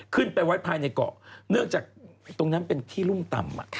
ขึ้นไปไว้ภายในเกาะเนื่องจากตรงนั้นเป็นที่รุ่มต่ำ